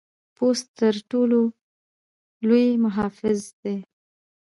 پوست تر ټر ټولو لوی محافظ دی.